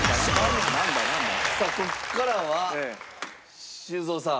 ここからは修造さん。